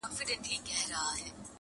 په سلګیو سو په ساندو واویلا سو!!